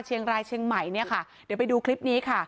เชียงรายเชียงใหม่เนี่ยค่ะเดี๋ยวไปดูคลิปนี้ค่ะ